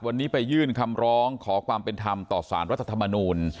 วันนี้ไปยื่นคำร้องขอความเป็นธรรมต่อสารรัฐธรรมนูล